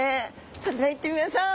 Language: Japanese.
それでは行ってみましょう！